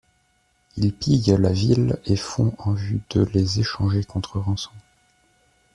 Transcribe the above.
Ils pillent la ville et font en vue de les échanger contre rançon.